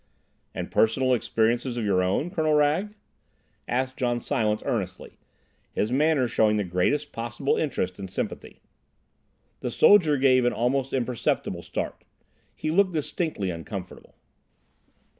"And personal experiences of your own, Colonel Wragge?" asked John Silence earnestly, his manner showing the greatest possible interest and sympathy. The soldier gave an almost imperceptible start. He looked distinctly uncomfortable.